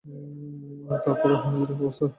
তারপর ভীত-সতর্ক অবস্থায় সেই নগরীতে তার প্রভাত হল।